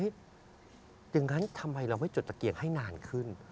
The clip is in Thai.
อย่างนั้นทำไมเราไม่จดตะเกียงให้นานขึ้น